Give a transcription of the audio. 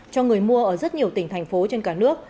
cho người mua ở rất nhiều tỉnh thành phố trên cả nước